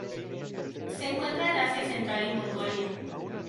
Se encuentra en Asia central y Mongolia.